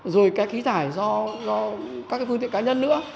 rồi cái khí thải do các phương tiện cá nhân nữa